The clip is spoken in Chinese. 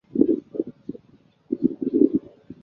孟加拉蝇狮为跳蛛科蝇狮属的动物。